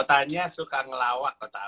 kota kotanya suka ngelawak kota apa